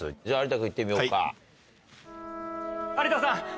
じゃあ有田君行ってみようか。